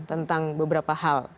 tentang beberapa hal